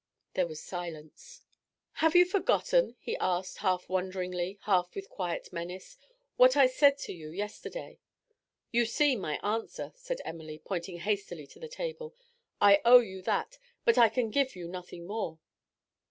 There was silence. 'Have you forgotten,' he asked, half wonderingly, half with quiet menace, 'what I said to you yesterday?' 'You see my answer,' said Emily, pointing hastily to the table. 'I owe you that, but I can give you nothing more.'